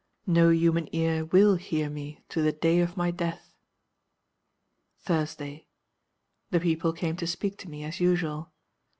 No human ear will hear me, to the day of my death. "Thursday. The people came to speak to me, as usual.